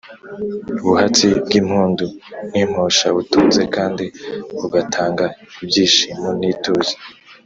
buhatsi bw’impundu n’imposha: utunze kandi agatanga ibyishimo n’ituze